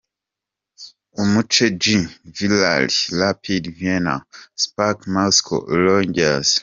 Umuce G: Villarreal , Rapid Vienna, Spartak Moscow , Rangers.